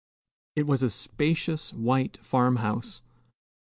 It was a spacious white farm house.